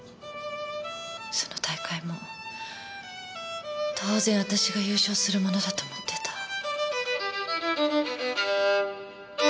その大会も当然私が優勝するものだと思ってた。